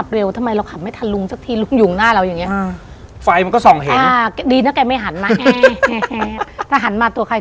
เราเห็นแล้วเดิน